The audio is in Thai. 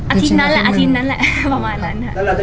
อาทิตย์นั้นแหละอาทิตย์นั้นแหละประมาณนั้นค่ะ